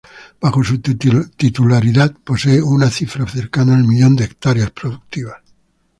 Bajo su titularidad posee una cifra cercana al millón de hectáreas productivas.